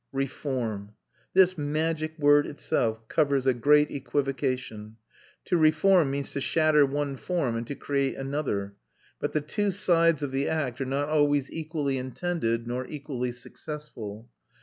Reform! This magic word itself covers a great equivocation. To reform means to shatter one form and to create another; but the two sides of the act are not always equally intended nor equally successful.